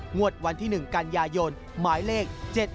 งวดวันที่๑กันยายนหมายเลข๗๗